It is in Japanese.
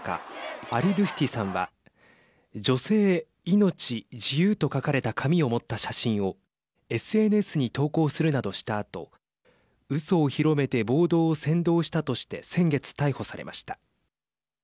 アリドゥスティさんは女性、命、自由と書かれた紙を持った写真をＳＮＳに投稿するなどしたあとうそを広めて暴動を扇動したとして先月、逮捕されました。